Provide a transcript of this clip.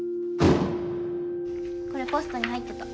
これポストに入ってた。